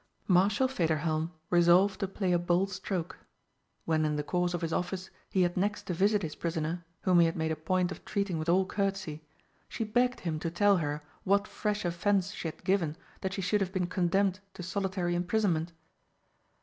Marshal Federhelm resolved to play a bold stroke. When in the course of his office he had next to visit his prisoner, whom he made a point of treating with all courtesy, she begged him to tell her what fresh offence she had given that she should have been condemned to solitary imprisonment.